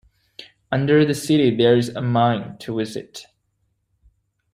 Under the city there is a mine to visit.